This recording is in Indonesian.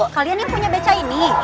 kalian yang punya beca ini